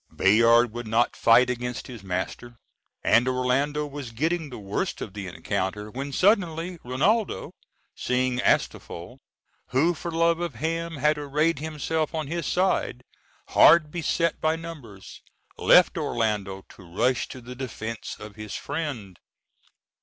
Bayard would not fight against his master, and Orlando was getting the worse of the encounter, when suddenly Rinaldo, seeing Astolpho, who for love of him had arrayed himself on his side, hard beset by numbers, left Orlando to rush to the defence of his friend.